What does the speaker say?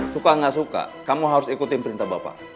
suka nggak suka kamu harus ikutin perintah bapak